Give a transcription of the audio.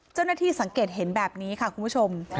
เจ้าหน้าที่สังเกตเห็นแบบนี้ค่ะคุณผู้ชม